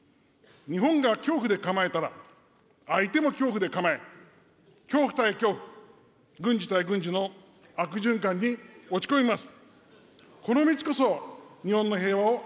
日本が恐怖で構えたら、相手も恐怖で構え、恐怖対恐怖、軍事大軍時の軍事対軍事の悪循環に落ち込みます。